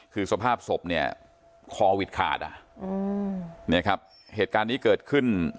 คือสภาพศพเนี่ยคอวิดขาดอ่ะอืมเนี่ยครับเหตุการณ์นี้เกิดขึ้น